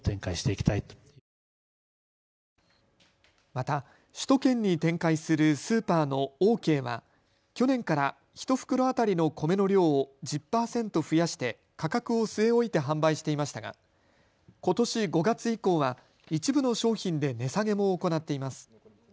また首都圏に展開するスーパーのオーケーは去年から１袋当たりの米の量を１０％増やして価格を据え置いて販売していましたがことし５月以降は一部の商品で値下げも行っています。